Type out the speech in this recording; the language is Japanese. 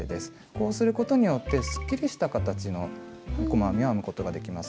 こうすることによってすっきりした形の細編みを編むことができます。